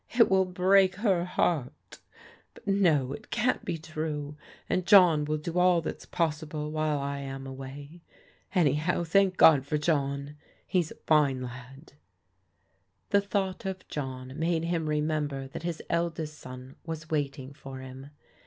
" It will break her heart But no, it can't be true, and John will do all that's possible while I am away. Anyhow, thank God for John. He's a fine lad." The thought of John made him remember that his eld est son was waiting for him.